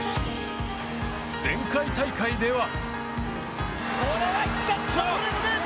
前回大会では。